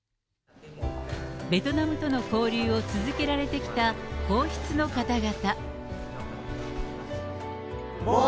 ベトナムとの交流を続けられてきた皇室の方々。